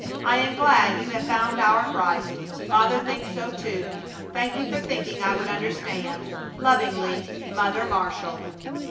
I am glad you have found our Christ. Father thinks so too. Thank you for thinking I would understand. Lovingly, MOTHER MARSHALL.